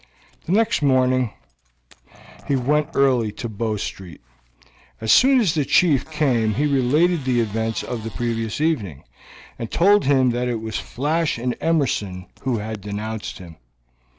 The next morning he went early to Bow Street. As soon as the chief came he related the events of the previous evening, and told him that it was Flash and Emerson who had denounced him.